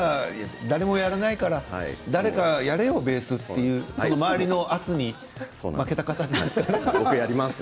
誰もやらないから誰かやれよという周りの圧に負けたような感じですね。